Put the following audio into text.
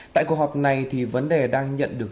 tại cuộc họp này thì vấn đề đang nhận được